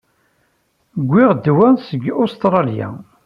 Wwiɣ-d wa seg Ustṛalya.